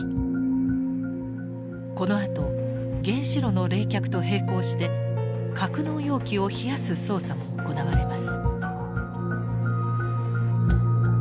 このあと原子炉の冷却と並行して格納容器を冷やす操作も行われます。